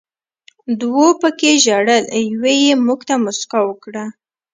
دوو پکې ژړل، یوې یې موږ ته موسکا وکړه.